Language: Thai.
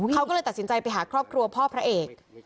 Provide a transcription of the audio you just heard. เขาก็เลยตัดสินใจไปหาครอบครัวพ่อพระเอก